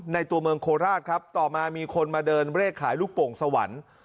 ตัวเมืองโคราชครับต่อมามีคนมาเดินเลขขายลูกโป่งสวรรค์